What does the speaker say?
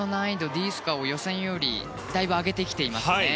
Ｄスコアを予選よりだいぶ上げてきていますね。